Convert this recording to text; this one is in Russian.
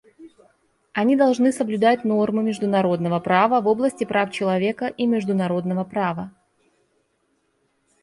Они должны соблюдать нормы международного права в области прав человека и международного права.